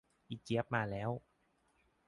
อีเจี๊ยบมาแล้ว